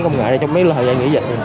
công nghệ này trong mấy thời gian nghỉ dịch